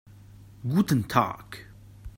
Guten Tag.